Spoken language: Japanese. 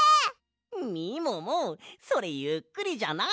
みももそれゆっくりじゃない！